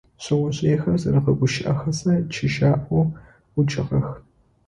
Шъэожъыехэр зэрэгъэгущыӀэхэзэ чыжьаӀоу ӀукӀыгъэх.